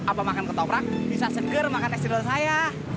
apa makan ketoprak bisa seger makan es cendol saya